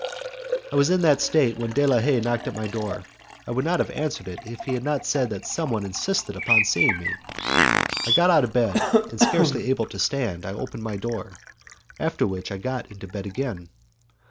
I was in that state when De la Haye knocked at my door. I would not have answered if he had not said that someone insisted upon seeing me. I got out of bed, and, scarcely able to stand, I opened my door, after which I got into bed again.